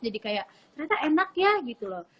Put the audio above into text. jadi kayak ternyata enak ya gitu loh